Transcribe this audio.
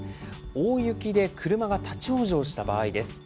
大雪で車が立往生した場合です。